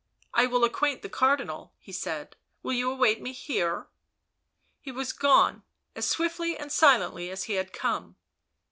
" I will acquaint the Cardinal," he said. " Will you await me here?" He was gone as swiftly and silently as he had come.